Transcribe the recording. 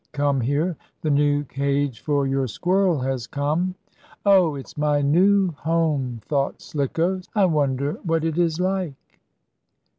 Come here! The new cage for your squirrel has come!" "Oh, it's my new home!" thought Slicko. "I wonder what it is like."